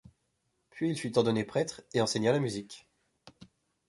Puis il fut ordonné prêtre et enseigna la musique.